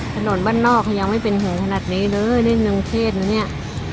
ถนนบ้านนอกยังไม่เป็นแห่งขนาดนี้เลยนี่เมืองเทศนี่เนี้ย